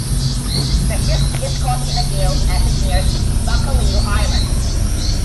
The ship is caught in a gale as it nears Baccalieu Island.